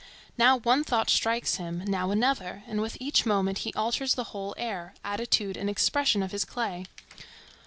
Now one thought strikes him, now another, and with each moment he alters the whole air, attitude and expression of his clay.